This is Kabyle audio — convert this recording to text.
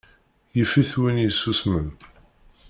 Yif-it win yessusmen.